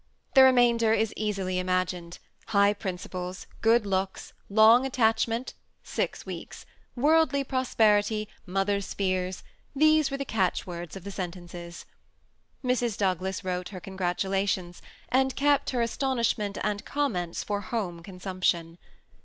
The remainder is easily imagined : high prin ciples, good looks, long attachment, — six weeks, — worldly prosperity, mother's fears, — these were the catchwords of the sentences. Mrs. Douglas wrote her congratulations, and kept her astonishment and com ments for home consumption.